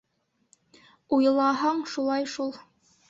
Уйлаһаң, шулай шул.